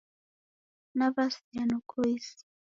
Naw'asea noko isi.